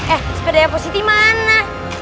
eh sepeda yang positif mana